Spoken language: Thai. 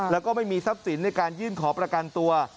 แล้วก็ไม่มีทรัพย์สินในการยื่นขอประกันตัว